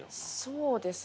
そうですね。